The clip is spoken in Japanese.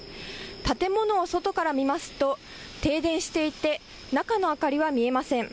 建物を外から見ますと停電していて中の明かりは見えません。